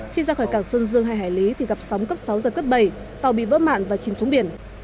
khi ra khỏi cảng sơn dương hai hải lý thì gặp sóng cấp sáu giật cấp bảy tàu bị vỡ mạn và chìm xuống biển